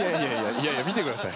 いやいや見てください。